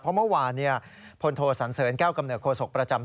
เพราะเมื่อวานเนี่ยพลโทสัญเสริญ๙กำเนื้อโคศกประจำ